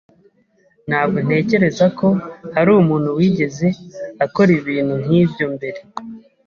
Ntabwo ntekereza ko hari umuntu wigeze akora ibintu nkibyo mbere.